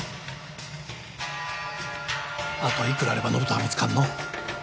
あといくらあれば延人は見つかんの？